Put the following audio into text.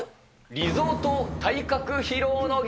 リゾート体格披露の儀。